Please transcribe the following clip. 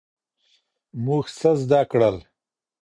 موږ څه زده کړل؟